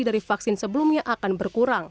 dari vaksin sebelumnya akan berkurang